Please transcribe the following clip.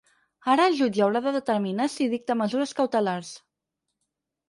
Ara el jutge haurà de determinar si dicta mesures cautelars.